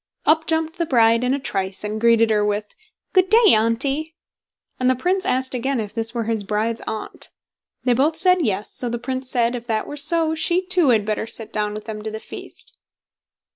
Up jumped the bride in a trice, and greeted her with "Good day, Auntie!" And the Prince asked again if that were his bride's aunt. They both said Yes; so the Prince said, if that were so, she too had better sit down with them to the feast.